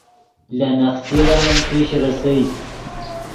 لے نخچرن پیش ریسئے